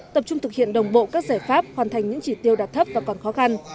tập trung thực hiện đồng bộ các giải pháp hoàn thành những chỉ tiêu đạt thấp và còn khó khăn